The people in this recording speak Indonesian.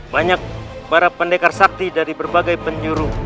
banyak para pendekar sakti dari berbagai penjuru